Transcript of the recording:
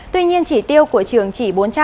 tuy nhiên chỉ tiêu của trường chỉ bốn trăm linh